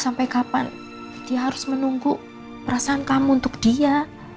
sampai kapan dia harus menunggu perasaan kamu untuk dia